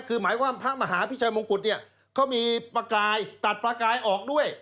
คือหมายความพระมหาพิชัยมงกุฎเนี่ยเขามีประกายตัดประกายออกด้วย